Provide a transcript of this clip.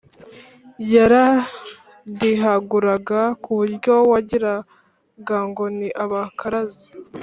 yaradihaguraga kuburyo wagiraga ngo ni abakaraza